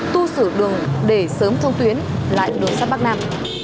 tu sửa đường để sớm thông tuyến lại đường sắt bắc nam